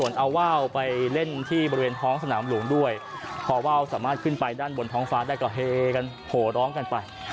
เอาว่าวไปเล่นที่บริเวณท้องสนามหลวงด้วยพอว่าวสามารถขึ้นไปด้านบนท้องฟ้าได้ก็เฮกันโหร้องกันไป